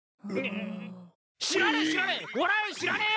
知らねえ知らねえ！